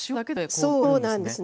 そうなんですね。